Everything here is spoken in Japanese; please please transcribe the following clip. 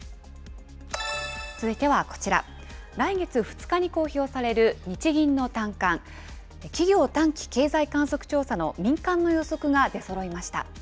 続いてはこちら、来月２日に公表される日銀の短観・企業短期経済観測調査の民間の予測が出そろいました。